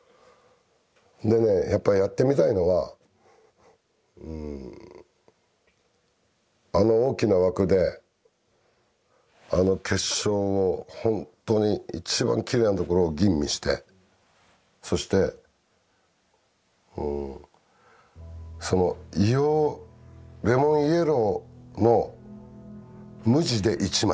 でねやっぱやってみたいのはうんあの大きな枠であの結晶を本当に一番きれいなところを吟味してそしてその硫黄レモンイエローの無地で一枚ってやつ。